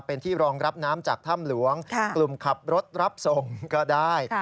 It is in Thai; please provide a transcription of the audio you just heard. เป็นที่รองรับน้ำจากถ้ำหลวงกลุ่มขับรถรับส่งก็ได้